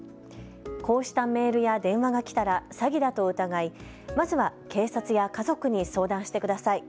こうしたメールや電話が来たら詐欺だと疑い、まずは警察や家族に相談してください。